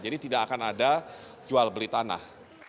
jadi tidak akan ada jual beli tanah